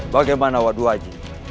bagaimana waduh aji